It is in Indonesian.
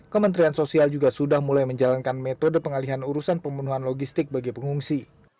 kementerian sosial juga sudah mulai menjalankan metode pengalihan urusan pembunuhan logistik bagi pengungsi